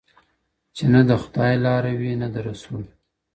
چې نه د خدای لاره وي نه د رسول